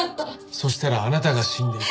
そしたらあなたが死んでいた。